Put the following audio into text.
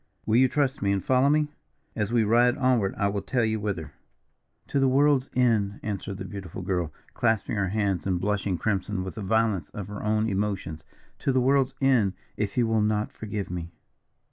Will you trust me and follow me? As we ride onward I will tell you whither." "To the world's end," answered the beautiful girl, clasping her hands and blushing crimson with the violence of her own emotions. "To the world's end, if you will not forgive me."